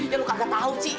ya lu kagak tahu sih